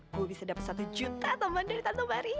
gue bisa dapet satu juta teman dari tante mari